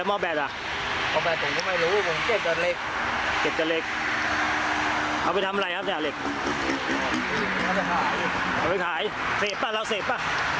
ยอมรับเมื่อก่อนเสพเลยตอนนี้ผมไม่ได้เสพแล้ว